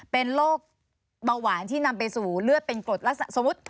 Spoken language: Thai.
เป็นโรคเบาหวานที่นำไปสู่เลือดเป็นกรดลักษณะสมมุติ